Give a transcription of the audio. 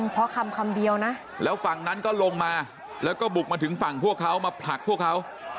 เพราะคำคำเดียวนะแล้วฝั่งนั้นก็ลงมาแล้วก็บุกมาถึงฝั่งพวกเขามาผลักพวกเขา